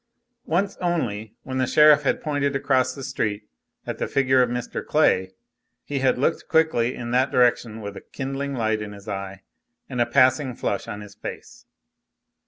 Once only, when the sheriff had pointed across the street at the figure of Mr. Clay, he had looked quickly in that direction with a kindling light in his eye and a passing flush on his face.